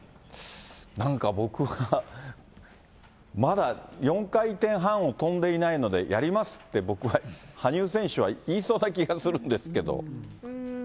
なんか僕は、まだ４回転半を跳んでいないので、やりますって、僕は羽生選手は言いそうな気がするんですけど。